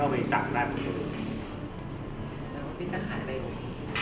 แล้วพี่จะขายอะไรไหม